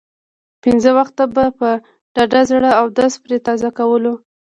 پنځه وخته به په ډاډه زړه اودس پرې تازه کېدلو.